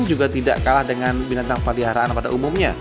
juga tidak kalah dengan binatang peliharaan pada umumnya